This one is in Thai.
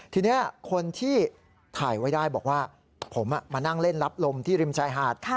ทีนี้คนที่ถ่ายไว้ได้บอกว่าผมมานั่งเล่นรับลมที่ริมชายหาด